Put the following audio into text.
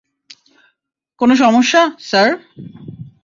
কোন সমস্যা, স্যার?